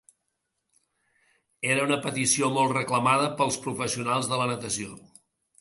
Era una petició molt reclamada pels professionals de la natació.